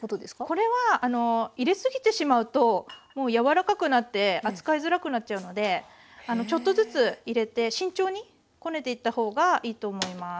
これは入れすぎてしまうともう柔らかくなって扱いづらくなっちゃうのでちょっとずつ入れて慎重にこねていった方がいいと思います。